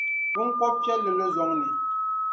Binkɔb’piɛlli lo zɔŋni.